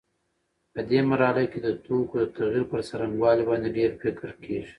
په دې مرحله کې د توکو د تغییر پر څرنګوالي باندې ډېر فکر کېږي.